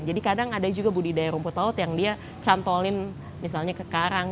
jadi kadang ada juga budidaya rumput laut yang dia cantolin misalnya ke karang